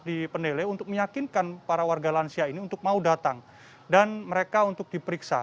di pendele untuk meyakinkan para warga lansia ini untuk mau datang dan mereka untuk diperiksa